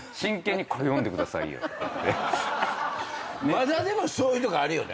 まだでもそういうとこあるよね。